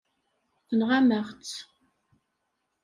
Tenɣam-aɣ-tt.